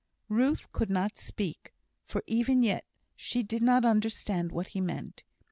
Ruth could not speak; for, even yet, she did not understand what he meant.